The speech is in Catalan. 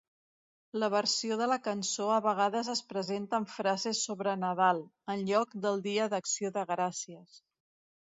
La versió de la cançó a vegades es presenta amb frases sobre Nadal, en lloc del Dia d'Acció de Gràcies.